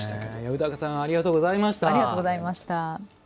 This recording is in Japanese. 宇高さんありがとうございました。